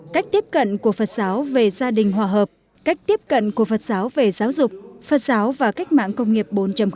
cách tiếp cận của phật giáo về gia đình hòa hợp cách tiếp cận của phật giáo về giáo dục phật giáo và cách mạng công nghiệp bốn